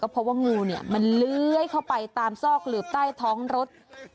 เพราะว่างูมันเลื้อยเข้าไปตามซอกหลืบใต้ท้องรถ